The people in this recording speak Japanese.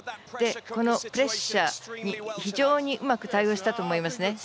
このプレッシャーに非常にうまく対応したと思います。